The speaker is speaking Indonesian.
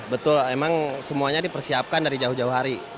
betul emang semuanya dipersiapkan dari jauh jauh hari